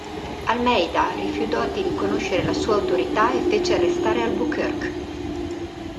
Almeida rifiutò di riconoscere la sua autorità e fece arrestare Albuquerque.